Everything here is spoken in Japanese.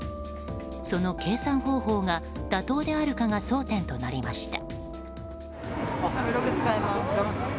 その計算方法が妥当であるかが争点となりました。